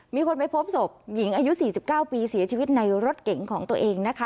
มีคนไปพบศพหญิงอายุ๔๙ปีเสียชีวิตในรถเก๋งของตัวเองนะคะ